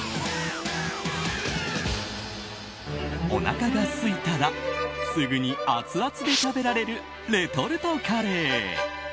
おなかがすいたらすぐにアツアツで食べられるレトルトカレー。